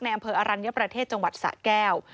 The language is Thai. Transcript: อำเภออรัญญประเทศจังหวัดสะแก้ว